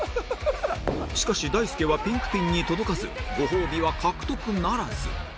しかし大輔はピンクピンに届かずご褒美は獲得ならず